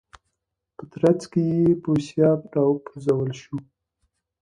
په ترڅ کې یې بوسیا راوپرځول شو.